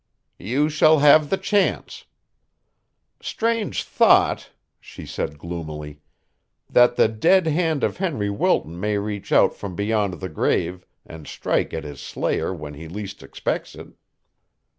"You shall have the chance. Strange thought!" she said gloomily, "that the dead hand of Henry Wilton may reach out from beyond the grave and strike at his slayer when he least expects it."